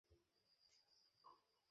সে সময় জোরে বৃষ্টি শুরু হয়েছিল।